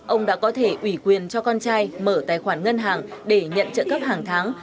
ông đã có thể ủy quyền cho con trai mở tài khoản ngân hàng để nhận trợ cấp hàng tháng